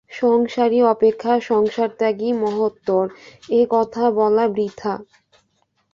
সংসারী অপেক্ষা সংসারত্যাগী মহত্তর, এ-কথা বলা বৃথা।